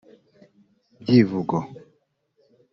ibyivugo